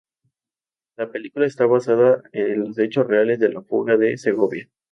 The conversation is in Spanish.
La película está basada en los hechos reales de la fuga de Segovia.